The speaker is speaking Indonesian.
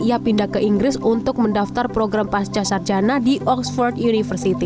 ia pindah ke inggris untuk mendaftar program pasca sarjana di oxford university